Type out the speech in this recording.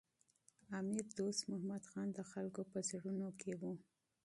امیر دوست محمد خان د خلکو په زړونو کي و.